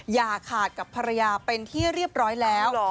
อย่าขาดกับภรรยาเป็นที่เรียบร้อยแล้ว